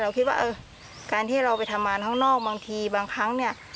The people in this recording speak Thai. คิดว่าเออการที่เราไปทำงานข้างนอกบางทีบางครั้งเนี่ย